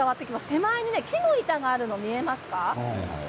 手前に木の板があるのが分かりますか？